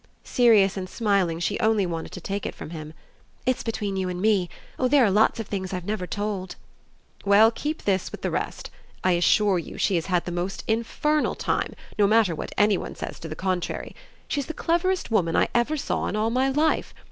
Serious and smiling she only wanted to take it from him. "It's between you and me! Oh there are lots of things I've never told!" "Well, keep this with the rest. I assure you she has had the most infernal time, no matter what any one says to the contrary. She's the cleverest woman I ever saw in all my life.